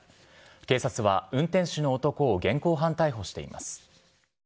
警察は運転手の男を現行犯逮捕しています。